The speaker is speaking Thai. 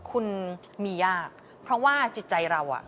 คุณมียากเพราะว่าจิตใจเราอ่ะ